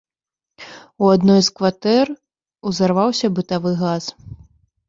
У адной з кватэр узарваўся бытавы газ.